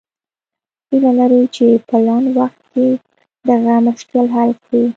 هیله لرو چې په لنډ وخت کې دغه مشکل حل کړو.